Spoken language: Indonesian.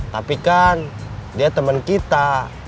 tapi kan dia teman kita